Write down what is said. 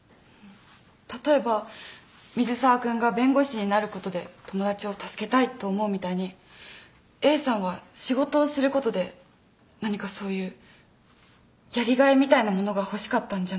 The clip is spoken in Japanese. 例えば水沢君が弁護士になることで友だちを助けたいと思うみたいにＡさんは仕事をすることで何かそういうやりがいみたいなものが欲しかったんじゃないかな？